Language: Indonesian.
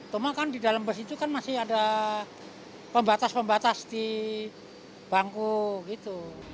cuma kan di dalam bus itu kan masih ada pembatas pembatas di bangku gitu